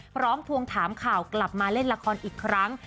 ทวงถามข่าวกลับมาเล่นละครอีกครั้ง